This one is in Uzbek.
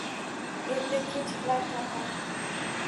Erta-kech qilar taʼqib.